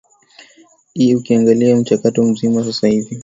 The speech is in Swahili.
e ukiangalia mchakato mzima sasa hivi